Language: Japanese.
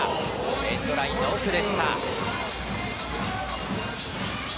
エンドラインの奥でした。